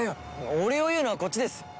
お礼を言うのはこっちです！